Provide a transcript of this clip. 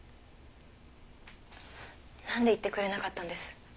なんで言ってくれなかったんです？